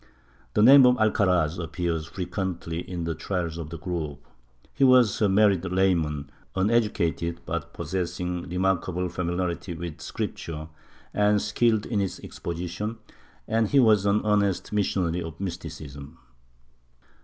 The name of Alcaraz appears frequently in the trials of the group; he was a married layman, uneducated but possessing remarkable familiarity with Scripture and skilled in its exposition, and he was an earnest missionary of mysticism.